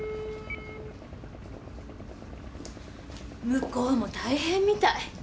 向こうも大変みたい。